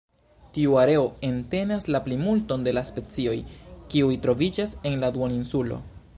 Tiu areo entenas la plimulton de la specioj kiuj troviĝas en la duoninsulo.